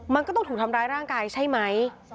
มันก็ต้องถูกทำร้ายร่างกายใช่ไหม